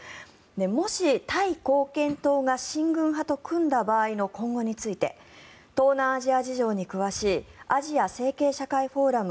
もし、タイ貢献党が親軍派と組んだ場合の今後について東南アジア事情に詳しいアジア政経社会フォーラム